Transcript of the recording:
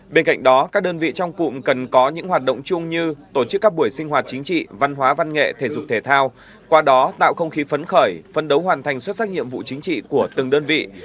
bên cạnh đó các đơn vị trong cụm cần có những hoạt động chung như tổ chức các buổi sinh hoạt chính trị văn hóa văn nghệ thể dục thể thao qua đó tạo không khí phấn khởi phân đấu hoàn thành xuất sắc nhiệm vụ chính trị của từng đơn vị